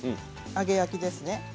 揚げ焼きですね。